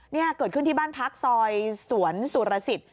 นี่เกิดขึ้นที่บ้านพักซอยสวนสุรสิทธิ